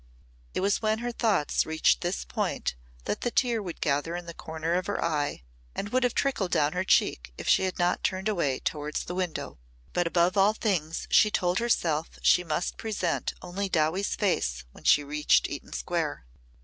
It was when her thoughts reached this point that the tear would gather in the corner of her eye and would have trickled down her cheek if she had not turned away towards the window. But above all things she told herself she must present only Dowie's face when she reached Eaton Square.